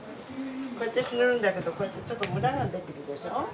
こうやって塗るんだけどこうやってちょっとムラができるでしょ。